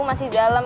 masih di dalam